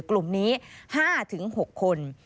กลุ่มนี้๕๖คน